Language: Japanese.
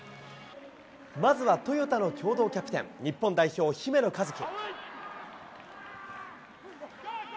まずはトヨタの共同キャプテン、日本代表、姫野和樹。